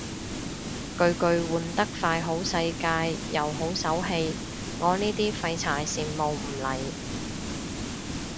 巨巨換得快好世界又好手氣，我呢啲廢柴羨慕唔嚟